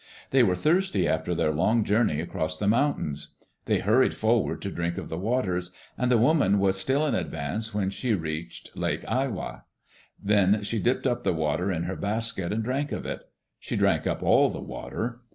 They were thirsty after their long journey across the mountains. They hurried forward to drink of the waters, and the woman was still in advance when she reached Lake Awaia. Then she dipped up the water in her basket and drank of it. She drank up all the water.